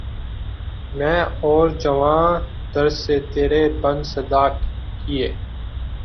میں اور جاؤں در سے ترے بن صدا کیے